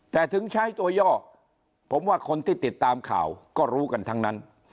แต่ถึงใช้ตัวย่อผมว่าคนที่ติดตามข่าวก็รู้กันทั้งนั้น